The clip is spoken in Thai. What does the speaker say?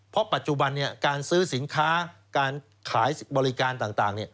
เพราะปัจจุบันการซื้อสินค้าการขายบริการต่าง